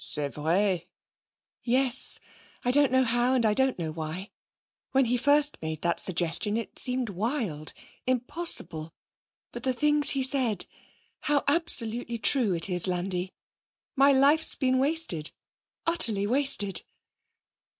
'C'est vrai?' 'Yes. I don't know how and I don't know why. When he first made that suggestion, it seemed wild impossible. But the things he said how absolutely true it is. Landi, my life's been wasted, utterly wasted.'